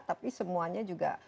tapi semuanya juga berubah